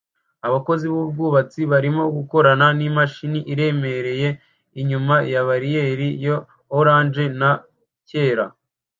Abakozi b'ubwubatsi barimo gukorana n'imashini iremereye inyuma ya bariyeri ya orange na cyera